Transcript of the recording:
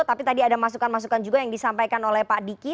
tapi tadi ada masukan masukan juga yang disampaikan oleh pak diki